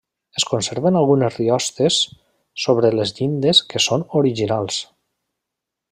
Es conserven algunes riostes sobre les llindes que són originals.